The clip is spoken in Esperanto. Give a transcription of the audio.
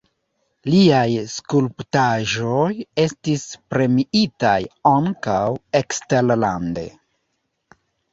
Liaj skulptaĵoj estis premiitaj ankaŭ eksterlande.